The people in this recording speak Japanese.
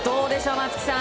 松本さん。